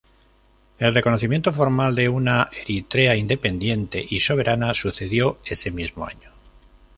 El reconocimiento formal de una Eritrea independiente y soberana sucedió ese mismo año.